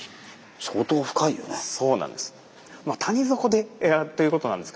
そうなんです。